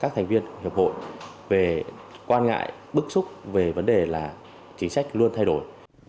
các thành viên hiệp hội về quan ngại bức xúc về vấn đề là chính sách luôn thay đổi